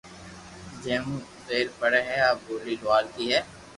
جي مون زبر پڙي ھي آ ٻولي لوھارڪي ھي